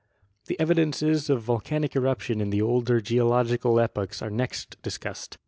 The evidences of volcanic eruption in the older geologi cal epochs are next discussed.